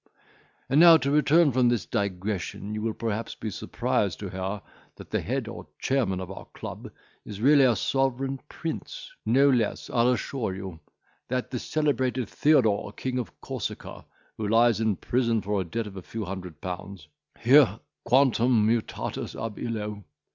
"And now, to return from this digression, you will perhaps be surprised to hear that the head or chairman of our club is really a sovereign prince; no less, I'll assure you, than the celebrated Theodore king of Corsica, who lies in prison for a debt of a few hundred pounds. Heu! quantum mutatus ab illo.